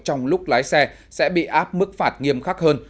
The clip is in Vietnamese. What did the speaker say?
trong lúc lái xe sẽ bị áp mức phạt nghiêm khắc hơn